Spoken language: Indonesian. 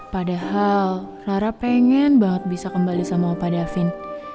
padahal rara pengen banget bisa kembali sama opa devin